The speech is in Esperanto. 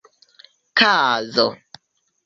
kazo